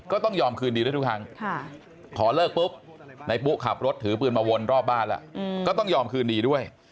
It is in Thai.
ก็ต้องยอมคืนดีด้วยทุกครั้งพอเลิกปุ๊บนายปุ๊ขับรถถือปืนมาวนรอบบ้านแล้วก็ต้องยอมคืนดีด้วย